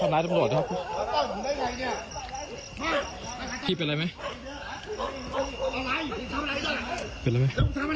เป็นแล้วไหมครับทำลักษณ์มาไหน